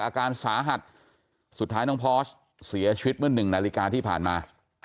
อาการสาหัสสุดท้ายน้องพอสเสียชีวิตเมื่อ๑นาฬิกาที่ผ่านมา